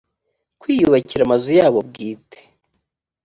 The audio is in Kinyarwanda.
kwiyubakira amazu yabo bwite